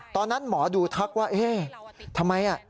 ตอนนั้นหมอดูทักว่าเอ๊ะทำไม